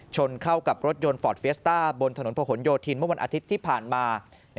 ชนเข้ากับรถยนต์ฟอร์ดเฟียสต้าบนถนนผนโยธินเมื่อวันอาทิตย์ที่ผ่านมา